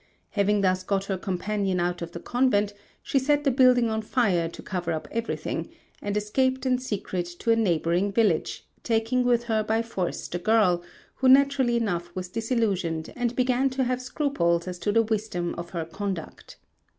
Having thus got her companion out of the convent, she set the building on fire to cover up everything, and escaped in secret to a neighbouring village, taking with her by force the girl, who naturally enough was disillusioned and began to have scruples as to the wisdom of her conduct.